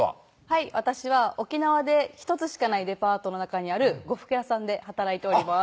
はい私は沖縄で１つしかないデパートの中にある呉服屋さんで働いております